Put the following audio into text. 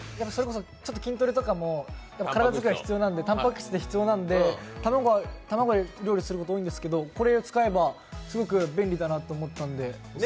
筋トレとかでたんぱく質が必要なんで、卵を料理すること多いんですけどこれ、使えばすごく便利だなと思ったんで。